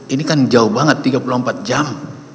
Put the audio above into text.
ini kan jauh banget tiga puluh empat jam